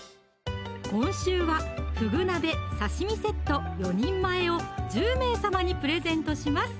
今週はふぐ鍋・刺身セット４人前を１０名様にプレゼントします